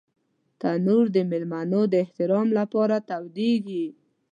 تنور د مېلمنو د احترام لپاره تودېږي